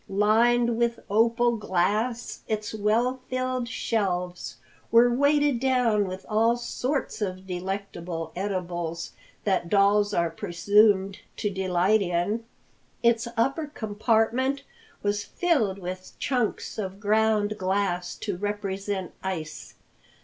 Lined with opal glass, its well filled shelves were weighted down with all sorts of delectable edibles that dolls are presumed to delight in. Its upper compartment was filled with chunks of ground glass to represent ice.